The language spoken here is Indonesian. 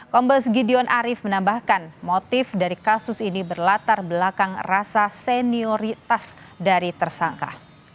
kombes gideon arief menambahkan motif dari kasus ini berlatar belakang rasa senioritas dari tersangka